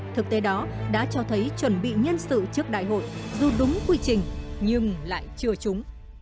thực tế đó đã cho thấy chuẩn bị nhân sự trước đại hội dù đúng quy trình nhưng lại chưa trúng